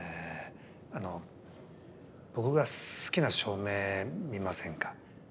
あの僕が好きな照明見ませんか？